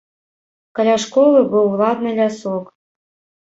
Каля школы быў ладны лясок.